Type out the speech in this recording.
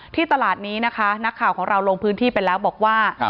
ที่ตลาดนี้นะคะนักข่าวของเราลงพื้นที่ไปแล้วบอกว่า